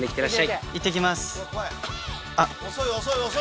あっいってきます。